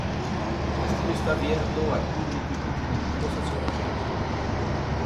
El castillo está abierto al público y contiene numerosas obras de arte.